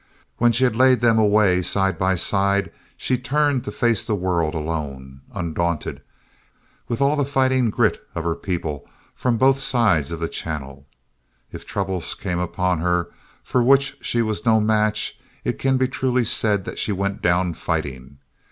When she had laid them away, side by side, she turned to face the world alone, undaunted, with all the fighting grit of her people from both sides of the Channel. If troubles came upon her for which she was no match, it can be truly said that she went down fighting.